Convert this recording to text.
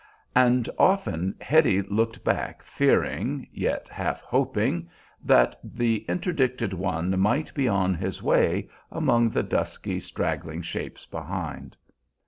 And often Hetty looked back, fearing, yet half hoping, that the interdicted one might be on his way, among the dusky, straggling shapes behind.